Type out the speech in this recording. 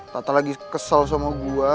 tata lagi kesel sama gue